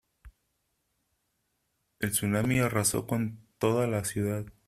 El tsunami arrasó con toda la ciudad.